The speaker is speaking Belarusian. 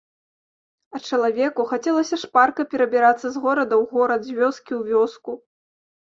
А чалавеку хацелася шпарка перабірацца з горада ў горад, з вёскі ў вёску.